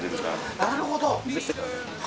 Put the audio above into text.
なるほど！